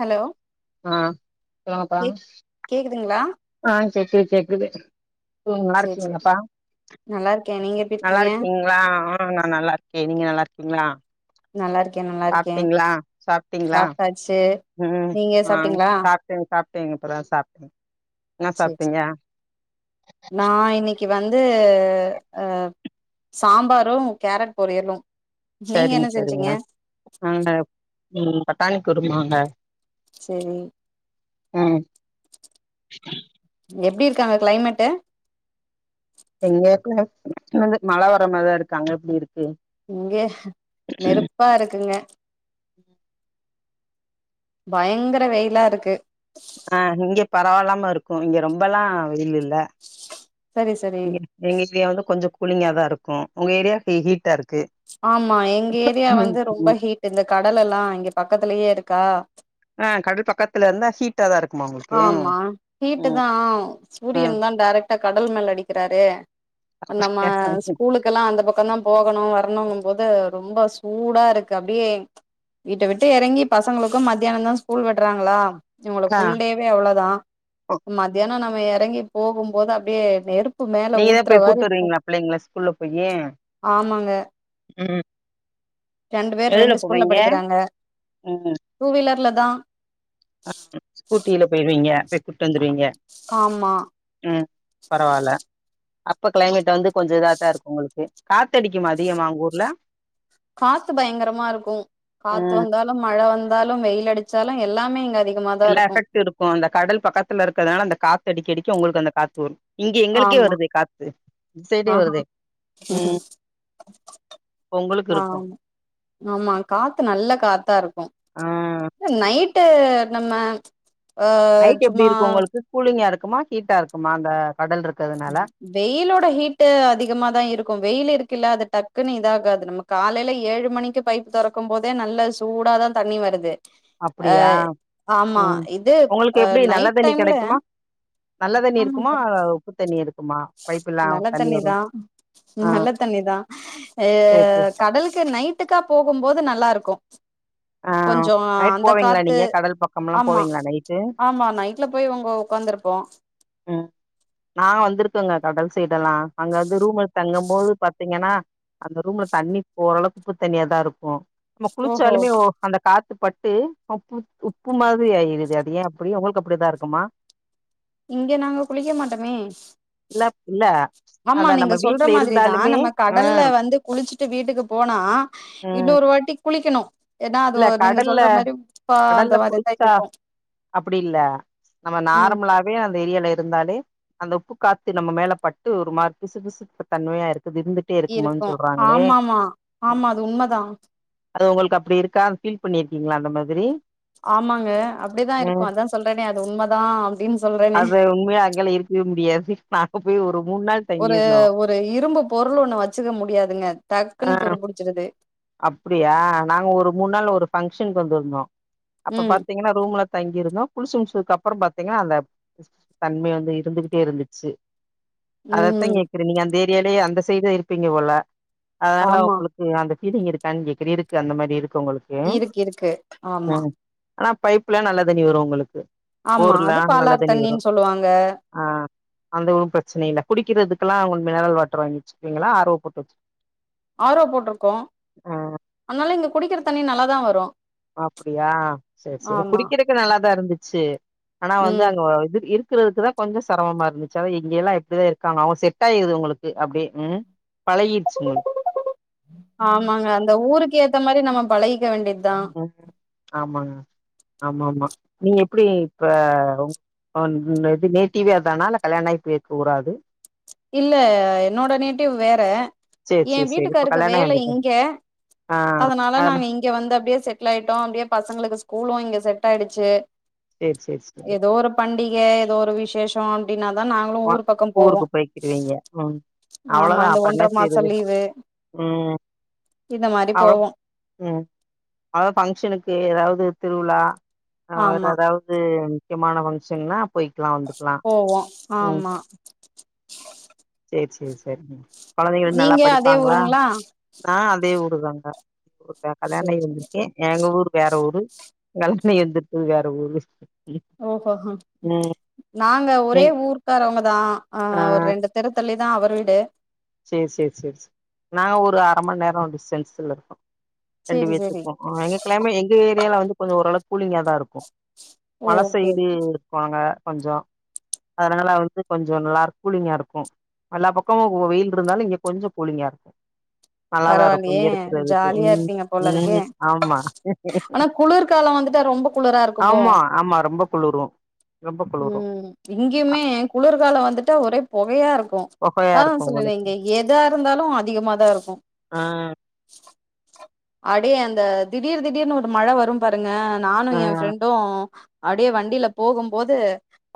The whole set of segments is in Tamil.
ஹலோ? ஆ சொல்லுங்கப்பா. கேக்குதுங்ளா? ஆ கேக்குது கேக்குது [unintelligible] நல்லார்கிங்களாப்பா? நல்லார்க்கே நீங்க எப்டி இருக்கீங்க நல்லார்க்கிங்ளா? ஆ நா நல்லார்க்கே. நீங்க நல்லார்க்கிங்ளா? நல்லா இருக்கே சாப்ட்டிங்ளா? சாப்ட்டிங்ளா? ச்சு நீங்க சாப்ட்டிங்ளா? த்தியானோ சாப்ட்டேங்க இப்பதா சாப்டேங். சே சே நா இன்னி க்கி வந்து அ சாம்பாரு கேரட் பொரியலு. நீங்க சரிங்க என்ன சரிங்க செஞ்சீங்க நானுப் ம் பட்டாணிக்குருமாங்க. செரி. ம். எப்டி இருக்கு அங்க கிளைமெட்டு? இங்க இப்ப வந்து மழ வர மாரிதா இருக்கு அங்க எப்டி இருக்கு? இங்க நெருப்பா இருக்குங்க. ம். பயங்கர வெயிலா இருக்கு. ஆ இங்க பரவால்லாம இருக்கு இங்க ரொம்பல்லா வெயில் இல்ல. சரி சரி. எங்கக்ரியா வந்து கொஞ்சோ கூலிங்கா தா இருக்கு. உங்க ஏரியா ஹீ ஹீட்டாரு ஆமா எங்க ஏரியா வந்து ம் ரொம்ப ஹீட்டு இந்த கடல் எல்லா இங்க பக்கத்துலியே இருக்கா அ கடல் பக்கத்துல இருந்தா ஹீ ட்டாதா இருக்குமா உங்குளு ஆமா ஹீட்டு தா ஆவு ஆ சூரியன் தா டைரக்ட்டா கடல் மேல அடிக்கிறாரே. அ நம்ம அப்படியா? ஸ்கூலுக் கல்லா அந்த பக்கந்தா போகணு வர்ணுங்கும் போது ரொம்போ சூடா இருக்கு அப்டியே வீட்ட விட்டு எறங்கி பசங்களுக்கு மத்தியானந்தா ஸ்கூல் விட்றாங்களா இவு ஆ ஃபுல் டேவே அவ்ளதா ஓ, மத்தியானொ நம்ம எறங்கி போகும்போது அப்டியே நெருப் நீங்கதா போய் கூட்டுவருவிங்ளா பிள்ளைங்ள ஸ்கூல்ல போயி? ம் ரண்டு பேர் எதுல ரண்டு ஸ்கூல்ல போவீங்க படிக்கிறாங்க. டூ வீலர்ல தா. அ ஸ்கூட்டில போய்ருவீங்க. ரெ அ அ காம்மா. ம் பரவால. அப்ப கிளைமேட் வந்து கொஞ்சொ இதாதா இருக்கு உங்களுக்கு காத்தடிக்குமா அதிகமா ஒங்கூர்ல காத்து பயங்கரமா இருக்கும் காத்து ம் வந்தாலு மழ வந்தாலும் வெயில் அடிச்சாலு எல்லாமே இங்க அதிக எல்லா எஃபெக்ட் இருக்கு அந்த கடல் பக்கத்துல இருக்கறனால அந்த காத்து அடிக்க அடிக்க உங்களுக்கு அந்த காத்து வரு இங்க எங்களுக்கே ஆமா வருதே காத்து இந் சைடே ஆஹா வருதே ம் ப்ப ஒங்களுக் இருக்கு ஆமா ஆமா காத்து நல்ல காத்தா இருக்கும் ஆ எ நைட்டு இருந்தம்னா அ நைட் எப்டி சும்மா இருக்கு உங்களுக்கு கூலிங்கா இருக்குமா ஹீட்டா இருக்குமா அந்த கடல் ருக் வெயிலோட ஹீட் அதிகமாதா இருக்கும் வெயில் இருக்குல்ல அது டக்குன்னு இதாகாது நமக் காலைல ஏழு மணிக்கு பைப்பு தொறக்கும் போதே நல்ல சூடாதா தண்ணி வருது அ அப்டியா ஆமா ம் இது உங்களுக்கு அ எப்டி நல்ல நைட் தண்ணி டைம்ல கெடைக்குமா நல்ல தண்ணி இருக்குமா ஆமாக்கா உப்பு தண்ணி இருக்குமா பைப்புல்லா நல்ல தண்ணி வரு தண்ணிதா ஆ நல்ல தண்ணிதா எ சேரி சேரி கடலுக்கு நைட்டுக்கா போகும்போது நல்லாருக்கு ஆ கொஞ்சோ நைட் அந்த போவீங்களா காத்து நீங்க கடல் பக்கம்லா ஆமா போவீங்களா நைட்டு ஆமா நைட் ல போய் ஒங்க உக்காந்துருப்போ ம் நாங்க வந்திருக்கங்க கடல் சைடெல்லா அங்க வந்து ரூம் எடுத் தங்கம்போது பாத்தீங்கன்னா அந்த ரூம்ல தண்ணி போறளவுக்கு உப்பு தண்ணியாதா இருக்கு நம்ம ஓஹோ குளிச்சாலுமே ஒ அந்த காத்து பட்டு உப்பு உப்பு மாதிரி ஆயிருது அத ஏ அப்டி உங்களுக்கு அப்டிதா இருக்குமா இங்க நாங்க குளிக்க மாட்டோமே இல்லாப் இல்ல ஆமா அதான் நீங்க நம்ம சொல்ற வீட்ல மாதிரிதா இருந்தாலுமே நம்ம ஆ கடல்ல வந்து குளிச்சுட்டு வீட்டுக்கு போனா ம் இன்னொரு வாட்டி குளிக்கணு ஏன்னா அது இல்ல நீங்க கடல்ல சொல்ற மாரி உப்பா அந்த கடல்ல மாதிரிதா குளிச்சா இருக்கு அப்டி இல்ல நம்ம ம் நார்மலாவே அந்த ஏரியால இருந்தாலே அந்த உப்பு காத்து நம்ம மேல பட்டு ஒரு மார் பிசுபிசுப்பு தன்மையா இருக்குது இருந்து ட்டே இருக்கு ஆமாமா ஆமா அது உண்மதா அது உங்களுக்கு அப்டி இருக்கா ஃபீல் பண்ணிருக்கீங்களா அந்த மாதிரி ஆமாங்க அப்டிதா இருக்கு ம் அதா சொல்றேனே அது உண்மதா அப்டின் சொல்றனே அது உண்மையா அங்கெல்லா இருக்கவே முடியாது நாங்க போய் ஒரு மூண் நாள் ஒரு தங்கியிருந்தோ ஒரு இரும்பு பொருள் ஒன்னு வச்சுக்க முடியாதுங்க டக்குன்னு துரு புடிச்சிருது அப்புடியா நாங்க ஒரு மூணு நாள் ஒரு ஃபங்க்ஷனுக்கு வந்திருந்தோ அப்ப ம் பாத்தீங்கன்னா ரூம்ல தங்கிருந்தோ குளிச்சு முடிச்சதுக்கப்பறொ பாத்தீங்கன்னா அந்த [inaudible] தன்மை வந்து இருந்துகிட்டே இருந்துச்சு அதத்தா ம் கேக்குற நீங்க அந்த ஏரியாலேயே அந்த சைடே இருப்பீங்க போல அதனால ஆமா உங்ளுக்கு து அந்த ஃபீலிங் இருக்கானு கேக்குறே இருக்கு அந்த மாரி இருக்கு உங்களுக்கு இருக்கு இருக்கு ஆமா ம் ஆனா பைப்ல நல்ல தண்ணி வரு உங்களுக்கு ஆமா போர்ல அது நல்ல பாலாறு தண்ணி வரு தண்ணின் சொல்லுவாங்க ஆ அந்த ஒன்னு பிரச்சன இல்ல குடிக்கிறதுக்குல்லா உங்களுக் மினரல் வாட்டர் வாங்கி வச்சுக்கவீங்களா ஆர் ஓ போட்டு வச்சு ஆர் ஓ போட்டுருக்கோ ஓ ஆனாலு இங்க குடிக்கிற தண்ணி நல்லாதா வரு அப்புடியா செரி செரி ஆமா குடிக்கிறக்கு நல்லாதா இருந்துச்சு ஆனா வந்து ம் அங்க வ இது இருக் க்கிறதுக்குதா கொஞ்சொ செரமமா இருந்துச்சு அதா இங்கேல்லா எப்டிதா இருக்காங்க அவங்க செட் ஆயிடுது உங்களுக்கு அப்டியே ம் பழகிருச்சு உங்களுக் ஆமாங்க அந்த ஊருக்கு ஏத்த மாரி நம்ம பழகிக்க வேண்டியதா ஆமாங்க ஆமா ஆமா நீங்க எப்டி இப்ப ஒன் இது நேட்டிவே அதானா இல்ல கல்யாண ஆகி போய் இருக்க ஊரா அது இல்ல என்னோட நேட்டிவ் வேற சேரி எ சேரி சேரி இப்ப வீட்டுக்காருக்கு கல்யாண ஆகி வேல வந்துட்ட இங்க ஆ அதனால நாங்க அனுப் இங்க வந்து அப்படியே செட்டில் ஆயிட்டோ அப்படியே பசங்களுக்கு ஸ்கூலு இங்க செட் ஆயிடுச்சு சேரி சேரி சேரி எதோ ஒரு பண்டிகை எதோ ஒரு விசேஷ அப்டினாதா நாங்களு ஊர் பக்க போவோ வீங்க ம் ஆமா அவ்ளதா இந்த அப்பற ஒன்ற என்னா மாச செய்யுறது லீவு ம் இந்த மாரி அவ்ளோ போவோ ம் அத பங்க்ஷனுக்கு எதாவது திருவிழாஅ வேற ஆமா எதாவது து முக்கியமான பங்ஷன்னா போய்க்லா வந்துக்லா போவோ ம் ஆமா சர் சர் சர் கொழந்தைங்க நல்லா நீங்க அதே படிப்பாங்களா ஊருங்களா நான் அதே ஊருதாங்க இப்போ சேரி கல்யாணயி சேரி வந்திருக்கே எங்க ஊர் வேற ஊரு கல்லானாயி வந்துருக்குறது வேற ஊரு ஓஹோஹ ம் நாங்க ஒரே எங் ஊர்க்காரவங்கதா அ ஆ ஒரு ரெண்டு தெருத்தள்ளிதா அவர் வீடு சர் சர் சர் சர் நாங்க ஒரு அர மணி நேர டிஸ்டன்ஸ்ல இருக்கோ ரெண்டு சேரி சேரி பேத்துக்கு எங்கக்கெல்லாமே எங்க ஏரியால வந்து கொஞ்சோ ஓரளவு கூலிங்காதா இருக்கு மல ஓகே சைடு வாங்க கொஞ்சோ அதனால வந்து கொஞ்சோ நல்லா கூலிங்கா இருக்கு எல்லா பக்கமு வெயில் இருந்தாலு இங்க கொஞ்சோ கூலிங்கா இருக்கு நல்லாதா இருக்கு இங்க பரவாயில்லையே இருக்குறதுக்கு ஜாலியா ம் இருப்பீங்க போல இருக்கே ம் ஆமா ஆனா குளிர்காலம் வந்துட்டா ரொம்ப குளிரா இருக்குமோ ஆமா ஆமா ரொம்ப குளுரு ரொம்ப குளுரு ம் இங்கேயுமே குளிர்கால வந்துட்டா ஒரே பொகயா இருக்கு கொகையா அதான் இருக்கு நா சொன்னனே உங்களுக்கு இங்க எதா இருந்தாலு அதிகமாதா இருக்கு ஆ அடே அந்த திடீர் திடீர்னு ஒரு மழை வரும் பாருங்க நானும் ஆ என் ஃப்ரெண்டு அப்படியே வண்டில போகும்போது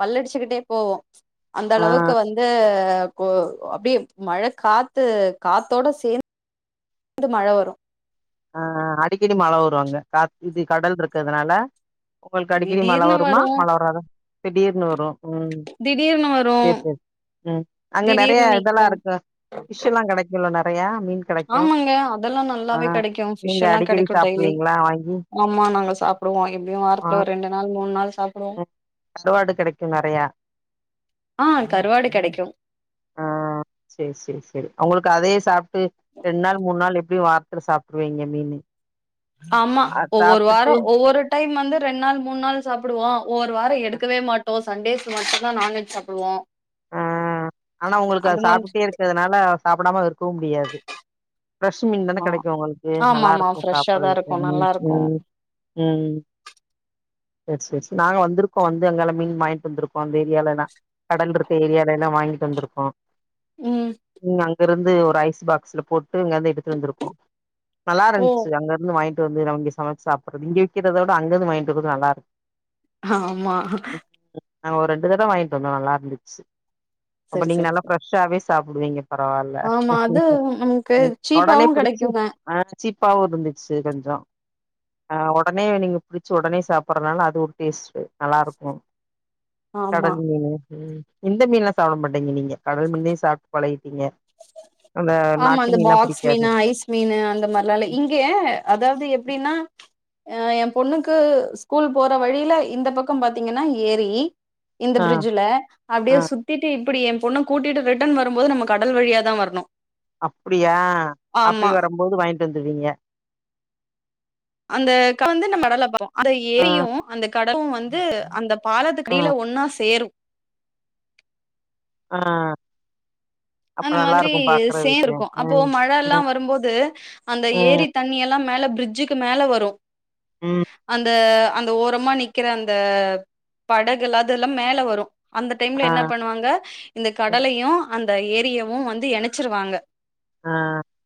பல்லடிச்சுக்கிட்டே போவோ அந்த ஆ அளவுக்கு வந்து அப்படியே மழ காத்து காத்தோட சேந்து வந்து மழ வரு ஆ அடிக்கடி மழ வரு அங்க கா இது கடல் இருக்கிறதுனால உங்களுக்கு அடிக்கடி மழ திடீர்னு வருமா வரு மழ வராதா திடீர்னு வரு ம் திடீர்னு வரு சர் சர் உம் அங்க நெறைய திடீர்னு இதெல்லா நிக்கு இருக்கா ஃபிஷ்ல்லா கிடைக் இவ்ளோ நெறையா மீன் கெடைக்கு ஆமாங்க அதெல்லா ஆ நல்லாவே கிடைக்கு ஃபிஷ் நீங்க எல்லா அடிக்கடி கிடைக்கு டெய்லி சாப்டுவீங்களா வாங்கி ஆமா நாங்க சாப்டுவோ எப்பயு ஆ வாரத்துல ஒரு ரெண்டு நாள் மூணு நாள் சாப்டுவோ ம் கருவாடு கெடைக்குங்க ஆ கருவாடு கெடைக்கு ஆ சர் சர் சரி அவங்களுக்கு அதயே சாப்ட்டு ரெண்டு நாள் மூண் நாள் எப்டியு வாரத்துல சாப்ட்ருவீங்க மீனு ஆமா அத ஒவ்வொரு வார சாப்ட்டுட்டு ஒவ்வொரு டைம் வந்து ரெண்டு நாள் மூணு நாள் சாப்டுவோ ஒவ்வொரு வார எடுக்கவே மாட்டோ சண்டேஸ் மட்டுதா நான்வெஜ் சாப்டுவோ ஆ ஆனா உங்களுக்கு அது சாப்ட்டே இருக்கிறதுனால சாப்டாம இருக்கவு முடியாது ஃப்ரெஷ் மீன் தான ஆ கெடைக்கு உங்களுக்கு ஆமா நல்லா ஆமா இருக்கு ஃப்ரெஷ்ஷா சாப்ட் தா றதுக்கு இருக்கு ம் நல்லா இருக்கு ம் ம் சர் சர் சரி நாங்க வந்திருக்கோ வந்து அங்கால மீன் வாங்கிட்டு வந்திருக்கோ அந்த ஏரியாலல்லா கடல் இருக்க ஏரியாலல்லா வாங்கிட்டு வந்திருக்கோ ம் [unintelligible] அங்க இருந்து ஒரு ஐஸ் பாக்ஸ்ல போட்டு இங்கந்து எடுத்து வந்திருக்கோ நல்லா ஓ இருந்துச்சு அங்க இருந்து வாங்கிட்டு வந்து நம்ம இங்க சமைச்சு சாப்படுறது இங்க விக்கிறதை விட அங்கருந்து வாங்கிட்டு வரது நல்லாருக்கு ஆமா நாங்க ஒரு ரெண்டு தடம் வாங்கிட்டு வந்தோ நல்லா இருந்துச்சு அப்போ சரி நீங்க சரி நல்லா சரி ஃப்ரெஷ்ஷாவே சாப்டுவீங்க பரவால்ல ஆமா அது நமக்கு உடனே சீப்பாவு புடிச்சு கெடைக்குங்க ஆ சீப்பாவு இருந்துச்சு கொஞ்சோ ஆ ஒடனே நீங்க பிடிச்சு ஒடனே சாப்பிடறதுனால அது ஒரு டேஸ்ட் நல்லா இருக்கு ஆமா கடல் மீனு ம் இந்த மீன்லா சாப்ட மாட்டீங்க நீங்க கடல் மீனே சாப்ட்டு பழகிடீங்க ஆமா அந்த பாக்ஸ் மீனா ஐஸ் மீனு அந்த மாரிலா இல்ல இங்கே அதாவது எப்படின்னா அ என் பொண்ணுக்கு ஸ்கூல் போற வழியில இந்த பக்கம் பாத்தீங்கன்னா ஏரி இந்த ஆ பிரிட்ஜ்ல ஆ அப்படியே சுத்திட்டு இப்படி என் பொண்ண கூட்டிட்டு ரிட்டர்ன் வரும்போது நம்ம கடல் வழியா தா வரணு அப்டியா ஆமா அப்டியே வரும்போது வாங்கிட்டு வந்துருவீங்க அந்த [unintelligible] வந்து நம்ம கடல பாப்போம் அந்த ஆ ஏரியும் அந்த கடலும் வந்து அந்த பாலத்து ஆ கடியில ஒன்னா சேரும் ஆ அப்ப அந்த நல்லா மாதிரி இருக்கு சேந்து பாக்குறதுக்கு இருக்கும் அப்போ ம் ம் மழலாம் வரும்போது அந்த ம் ஏரி தண்ணி எல்லா மேல பிரிட்ஜுக்கு மேல வரும் ம் அந்த அந்த ஓரமா நிக்கிற அந்த படகுல்லா அதெல்லா மேல வரு அந்த டைம்ல ஆ என்ன பண்ணுவாங்க இந்த கடலையு அந்த ஏரியவு வந்து எணச்சிருவாங்க ஆ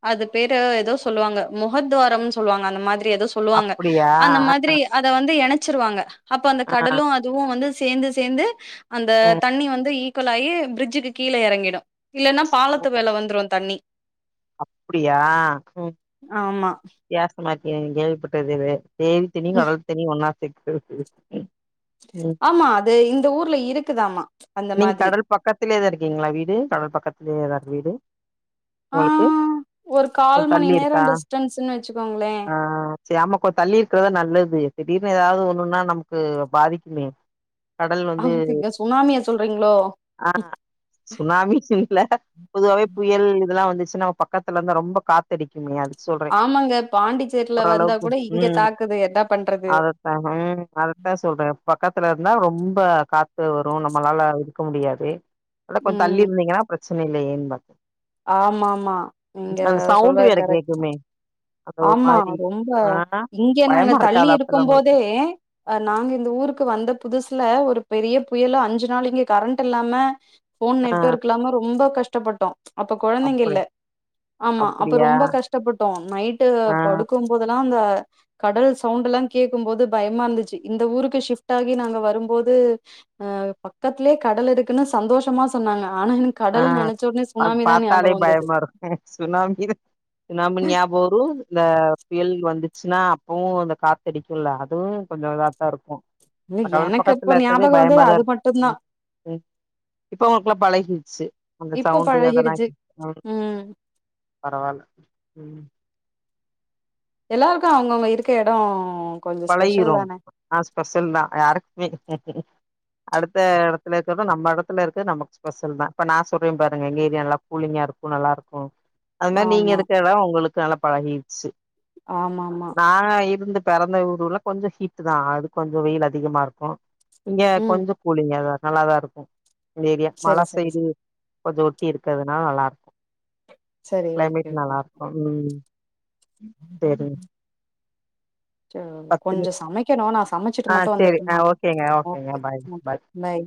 அது பேரு ஏதோ சொல்லுவாங்க முகத்துவாரம்னு சொல்லுவாங்க அந்த மாதிரி ஏதோ சொல்லுவாங்க அப்டியா அந்த மாதிரி அத வந்து எணச்சிருவாங்க அப்ப அந்த ஆ கடலும் அதுவும் வந்து சேந்து சேந்து அந்த ம் தண்ணி வந்து ஈக்வலாகி பிரிட்ஜுக்கு கீழ எறங்கிடு இல்லன்னா ஓ பாலத்து மேல வந்துரு தண்ணி அப்டியா ம் ஆமா வித்தியாசமா இருக்கே கேள்விப்பட்டது இது ஏரிதண்ணி ம். கடல் தண்ணி ஒன்னா சேக்குறது ம் ஆமா அது இந்த ஊர்ல இருக்குதாமா அந்த மாதிரி பக்கத்திலே தா இருக்கீங்களா வீடு கடல் பக்கத்திலயேதா வீடு ஆ உங்களுக்கு ஒரு கால் கொஞ்ச மணி தள்ளி நேரம் இருக்கா டிஸ்டன்ஸ்ன்னு வச்சுக்கோங்களே ஆ செ ஆமா கொ தள்ளி இருக்கிறதா நல்லது திடீர்னு ஏதாவ்து ஒண்ணுன்னா நமக்கு பாதிக்குமே கடல் அ வந்து மன்ச்சிகிங்க சுனாமிய சொல்றீங்ளோ ஆ சுனாமி இல்ல பொதுவாவே புயல் இதல்லாம் வந்துச்சுனா பா பக்கத்துல இருந்தா ரொம்ப காத்தடிக்குமே அதுக்கு சொல் ஆமாங்க பாண்டிச்சேர்ல வந்தா கூட இங்க தாக்குது என்ன பண்றது ஆ ம் அதுதா சொல்றேன் பக்கத்துல இருந்தா ரொம்ப காத்து வரும் நம்மளால இருக்க முடியாதே அத கொஞ்சம் தள்ளி ம். இருந்தீங்கன்னா பிரச்சனை இல்லையேன்னு பாத் ஆமா ஆமா நீங்க சவுண்டு சொல்றது வேற கரெக்ட் தா கேக்குமே அந்த ஒரு ஆமா மாரி ரொம்ப ஆ இங்க நாங்க பயமா தள்ளி இருக்காதா அப்பல்லா இருக்கும் உங்களுக்கு போதே அ நாங்க இந்த ஊருக்கு வந்த புதுசுல ஒரு பெரிய புயலு அஞ்சு நாள் இங்க கரண்ட் இல்லாம ஃபோன் ஆ நெட்ஒர்க் இல்லாம ரொம்ப கஷ்டப்பட்டோம் அப்ப கொழந்தைங்க அப்படி இல்ல ஆமா அப்ப அப்படியா ரொம்ப கஷ்டப்பட்டோம் நைட்டு ஆ படு க்கும்போதெல்லா அந்த கடல் சவுண்ட் எல்லாம் கேட்கும் போது பயமா இருந்துச்சு இந்த ஊருக்கு ஷிப்ட் ஆகி நாங்க வரும்போது அ பக்கத்திலேயே கடல் இருக்குன்னு சந்தோஷமா சொன்னாங்க ஆன எனக் கடல் ஆ நெனச்ச உடனே அது சுனாமிதா ஞாபக பாத்தாலே வந்தது பயமா இருக்கு சுனாமி சுனாமி ஞாபொ வரும் இந்த புயல் வந்துச்சுன்னா அப்பவும் அந்த காத் த்தடிக்கும்ல அதுவும் கொஞ்சம் இதாத்தா இருக்கும் இல்ல கடல் எனக்கு அப்ப பக்கத்துல இருக்கது ஞாபகோ வந்தது பயமாதா அது மட்டுந்தா இருக்கும் ம் இப்ப ஒங்களுக்குல்லாம் பழகிச்சு அந்த இப்ப சவுண்டு அதல்லாம் பழகிடுச்சு ம் பரவால்ல ம் எல்லாருக்கும் அவங்கவுங்க இருக்க எடம் பழகிரும் ஆஹ் ஸ்பெஷல் தான் யாருக்குமே அடுத்த இடத்துல இருக்குறதும் நம்ம இடத்துல இருக்குறதும் நமக்கு ஸ்பெஷல் தான் இப்ப நான் சொல்றேன் பாருங்க எங்க ஏரியா கூலிங்கா இருக்கும் நல்லா இருக்கும் அது மாதிரி நீங்க ஆமா இருக்கிற எடோம் உங்களுக்கு நல்லா பழகிடுச்சு ஆமா ஆமா நாங்க இருந்து பிறந்த ஊர்ல கொஞ்சம் ஹீட் தான் அது கொஞ்சம் வெயில் அதிகமா இருக்கும் இங்க ம் கொஞ்சம் கூலிங்கா தான் நல்லாதான் இருக்கும் இந்த ஏரியா சரி மழை சரி சைடு சரி கொஞ்சம் ஒட்டி இருக்கிறதுனால நல்லா இருக்கும் சரி ஓகே கிளைமேட் ஓகே நல்லா இருக்கும் ம் தெரி கொஞ்சொ நிமி சமைக்கனும் நா சமச்சிட்டு ஆ மட்டும் சேரி ஆ வந்துடடும்மா ஓகேங்க ஓகேங்க ஓகே பாய் பாய்